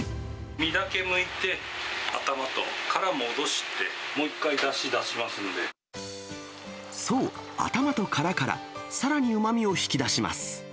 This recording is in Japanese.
身だけむいて、頭と殻を戻して、もう一回、そう、頭と殻からさらにうまみを引き出します。